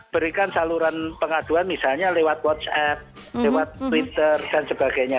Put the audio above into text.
berikan saluran pengaduan misalnya lewat whatsapp lewat twitter dan sebagainya